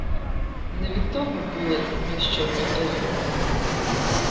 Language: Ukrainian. Не від того були і ми з Чорнотою.